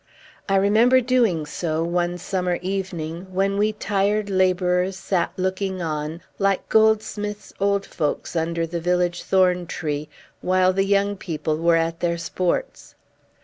I remember doing so, one summer evening, when we tired laborers sat looking on, like Goldsmith's old folks under the village thorn tree, while the young people were at their sports.